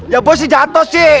ya bos sih jatuh sih